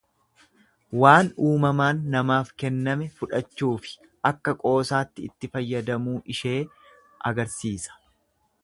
Waan uumamaan namaaf kenname fudhachuufi akka qoosaatti itti fayyadamuu ishee agarsiisa.